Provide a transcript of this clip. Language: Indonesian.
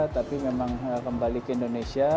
tapi memang kembali ke indonesia